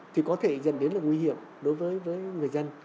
thì có thể dần đến là nguy hiểm đối với người dân